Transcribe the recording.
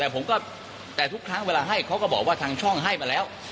แต่ผมก็แต่ทุกครั้งเวลาให้เขาก็บอกว่าทางช่องให้มาแล้ว